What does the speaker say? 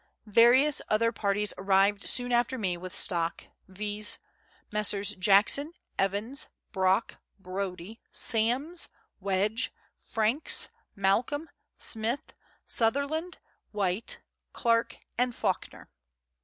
Various other parties arrived soon after me with stock, viz.: Messrs. Jackson, Evans, Brock, Brodie, Sams, Wedge, Franks, Malcolm, Smith, Sutherland, Whyte, Clarke, and Fawkner.